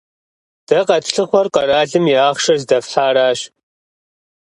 Дэ къэтлъыхъуэр къэралым и ахъшэр здэфхьаращ.